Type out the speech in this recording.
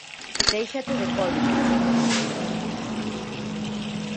Déixate de códigos.